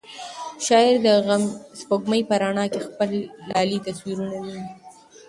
شاعر د سپوږمۍ په رڼا کې د خپل لالي تصویر ویني.